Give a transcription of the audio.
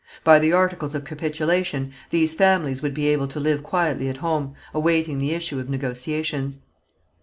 By the articles of capitulation these families would be able to live quietly at home, awaiting the issue of negotiations.